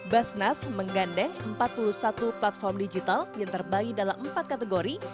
basnas menggandeng empat puluh satu platform digital yang terbagi dalam empat kategori